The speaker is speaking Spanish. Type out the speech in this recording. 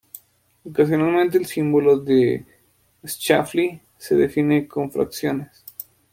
Ocasionalmente, el símbolo de Schläfli se define con fracciones.